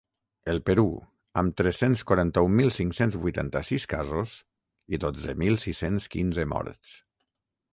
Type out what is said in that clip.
El Perú, amb tres-cents quaranta-un mil cinc-cents vuitanta-sis casos i dotze mil sis-cents quinze morts.